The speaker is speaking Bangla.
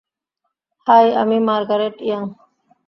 হাই, আমি মার্গারেট ইয়াং।